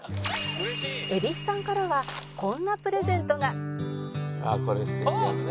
「蛭子さんからはこんなプレゼントが」あっ！